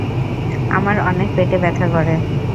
আমার অনেক পেটে ব্যথা করে।